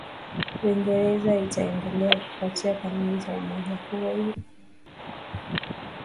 Uingereza itaendelea kufuata kanuni za umoja huo ili